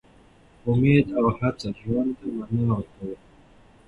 امید او هڅه ژوند ته مانا ورکوي.